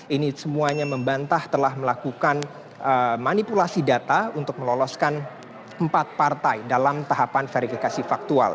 ini semuanya membantah telah melakukan manipulasi data untuk meloloskan empat partai dalam tahapan verifikasi faktual